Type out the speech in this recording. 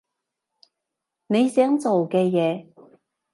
你想做嘅嘢？